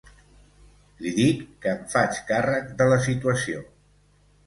Li dic que em faig càrrec de la situació.